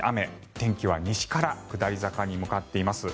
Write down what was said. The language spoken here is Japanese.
天気は西から下り坂に向かっています。